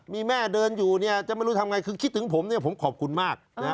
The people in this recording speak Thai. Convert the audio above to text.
มีแม่เดินอยู่จะไม่รู้ทำไงคือคิดถึงผมผมขอบคุณมาก